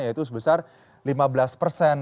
yaitu sebesar lima belas persen